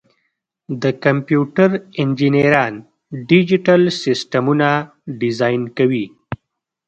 د کمپیوټر انجینران ډیجیټل سیسټمونه ډیزاین کوي.